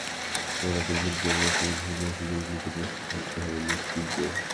ওরাও ভুল করবে, সেই ভুলের সুযোগ নিতে প্রস্তুত থাকতে হবে মুশফিকদের।